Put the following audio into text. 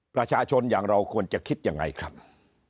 ประชาชนอย่างเราควรจะคิดยังไงครับ